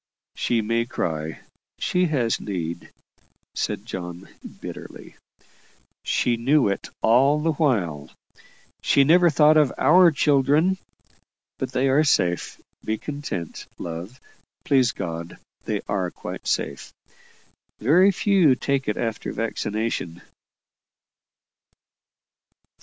"She may cry; she has need," said John, bitterly. "She knew it all the while. She never thought of our children; but they are safe. Be content, love please God, they are quite safe. Very few take it after vaccination."